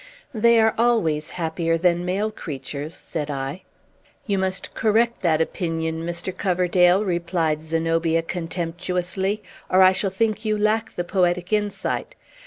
"They are always happier than male creatures," said I. "You must correct that opinion, Mr. Coverdale," replied Zenobia contemptuously, "or I shall think you lack the poetic insight.